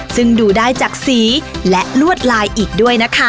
ซึ่งดูได้จากสีและลวดลายอีกด้วยนะคะ